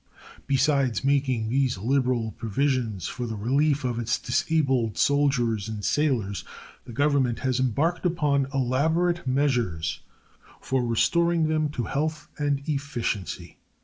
Besides making these liberal provisions for the relief of its disabled soldiers and sailors, the Government has embarked upon elaborate measures for restoring them to health and efficiency.